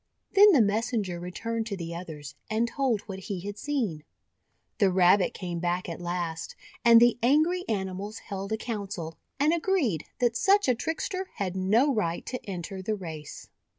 Then the messenger returned to the others, and told what he had seen. The Rabbit came back at last, and the angry animals held a council, and agreed that such a trickster had no right to enter the race.